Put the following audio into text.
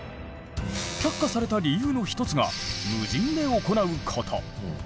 却下された理由の一つが無人で行うこと。